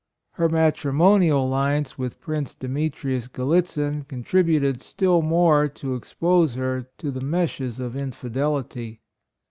Her matrimonial alli ance with Prince Demetrius Gallit PRINCESS AMELIA. 21 zin contributed still more to expose her to the meshes of infidelity.